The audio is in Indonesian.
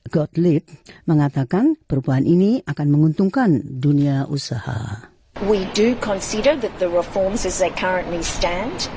godlead mengatakan perubahan ini akan menguntungkan dunia usaha